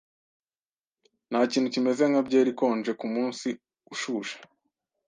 Ntakintu kimeze nka byeri ikonje kumunsi ushushe.